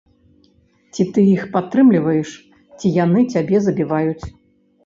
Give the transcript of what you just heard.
Ці ты іх падтрымліваеш, ці яны цябе забіваюць.